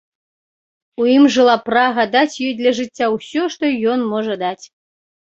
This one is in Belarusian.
У ім жыла прага даць ёй для жыцця ўсё, што ён можа даць.